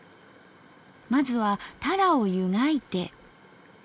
まずはタラを湯がいて。